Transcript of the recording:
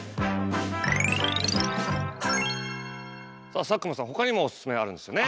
さあ佐久間さんほかにもオススメあるんですよね。